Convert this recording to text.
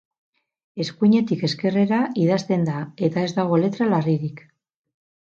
Eskuinetik ezkerrera idazten da eta ez dago letra larririk.